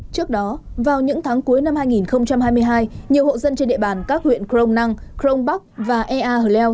trước đó vào những tháng cuối năm hai nghìn hai mươi hai nhiều hộ dân trên địa bàn các huyện crong năng crong bắc và ea hờ leo